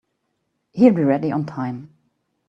He'll be ready on time.